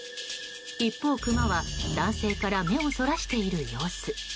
一方、クマは男性から目をそらしている様子。